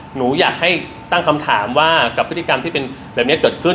หนูอยากให้ตั้งคำถามว่ากับพฤติกรรมที่เป็นแบบนี้เกิดขึ้น